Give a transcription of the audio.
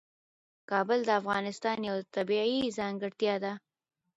کابل د افغانستان یوه طبیعي ځانګړتیا ده.